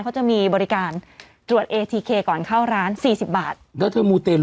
เขาจะมีบริการตรวจเอทีเคก่อนเข้าร้านสี่สิบบาทแล้วเธอมูเต